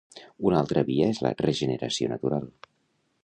Una altra via és la regeneració natural.